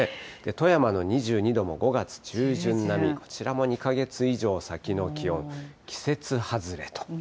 富山の２２度も５月中旬並み、こちらも２か月以上先の気温、季節外れと。